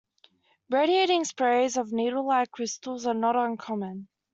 Radiating sprays of needlelike crystals are not uncommon.